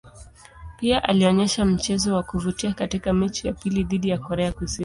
Pia alionyesha mchezo wa kuvutia katika mechi ya pili dhidi ya Korea Kusini.